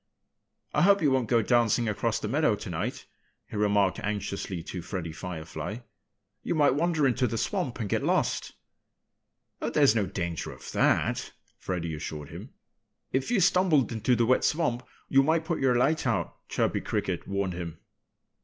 "I hope you won't go dancing across the meadow tonight," he remarked anxiously to Freddie Firefly. "You might wander into the swamp and get lost." "Oh, there's no danger of that!" Freddie assured him. "If you stumbled into the wet swamp you might put your light out," Chirpy Cricket warned him.